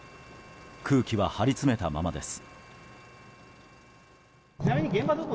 空気は張り詰めたままです。